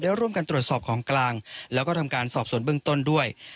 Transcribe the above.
ร่วมกันตรวจสอบของกลางแล้วก็ทำการสอบสวนเบื้องต้นด้วย